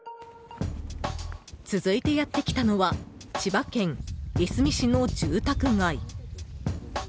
続いてやってきたのは千葉県いすみ市の住宅街。